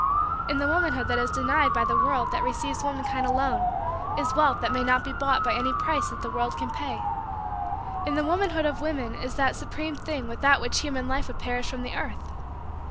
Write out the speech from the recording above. In the womanhood that is denied by the world that receives womankind alone, is wealth that may not be bought by any price that the world can pay. In the womanhood of women is that supreme thing without which human life would perish from the earth.